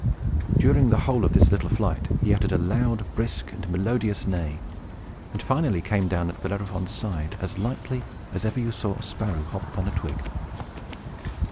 During the whole of this little flight, he uttered a loud, brisk, and melodious neigh, and finally came down at Bellerophon's side, as lightly as ever you saw a sparrow hop upon a twig.